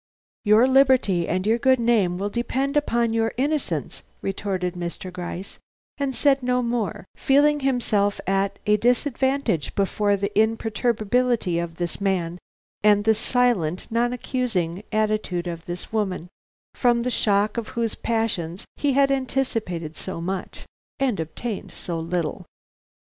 "Your liberty and your good name will depend upon your innocence," retorted Mr. Gryce, and said no more, feeling himself at a disadvantage before the imperturbability of this man and the silent, non accusing attitude of this woman, from the shock of whose passions he had anticipated so much and obtained so little.